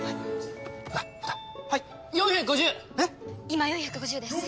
今４５０です。